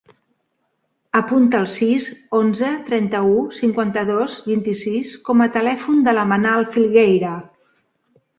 Apunta el sis, onze, trenta-u, cinquanta-dos, vint-i-sis com a telèfon de la Manal Filgueira.